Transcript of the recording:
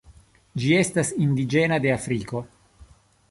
Ĝi estas indiĝena de Afriko.